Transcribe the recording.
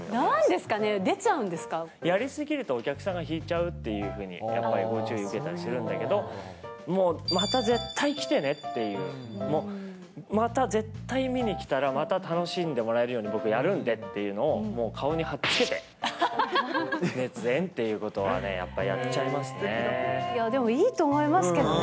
やり過ぎると、お客さんが引いちゃうっていうふうにやっぱりご注意受けたりするんですけど、もう、また絶対来てねっていう、もう、また絶対見に来たら、また楽しんでもらえるように僕やるんでっていうのを、もう顔にはっつけて、熱演っていうことはね、やっぱりやっちゃいでもいいと思いますけどね。